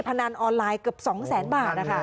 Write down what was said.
พนันออนไลน์เกือบ๒๐๐๐๐๐บาท